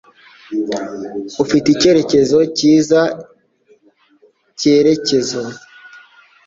Ufite icyerekezo cyiza cyerekezo.